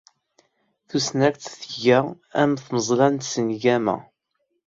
Tusnakt tga am tmeẓla n tsengama.